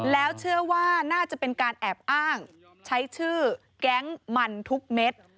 แล้วเชื่อว่าน่าจะเป็นการแอบอ้างใช้ชื่อแก๊งมันทุกเม็ด